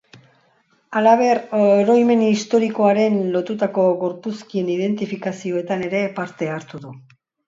Halaber, oroimen historikoaren lotutako gorpuzkien identifikazioetan ere parte hartu du.